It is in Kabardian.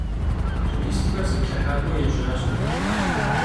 Turistxer zıplhıhak'ue yêjaş.